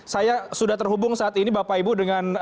saya sudah terhubung saat ini bapak ibu dengan